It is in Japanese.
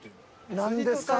何ですか？